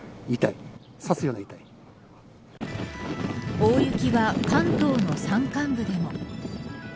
大雪は関東の山間部でも。